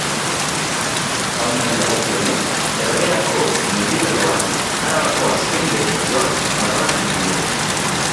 Faunari dagokionez, Elgeako mendilerroan Arabako azken betizuak larratzen dira.